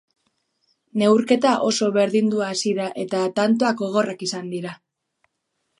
Neurketa oso berdindua hasi da eta tantoak gogorrak izan dira.